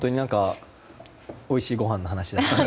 おいしいごはんの話だったり。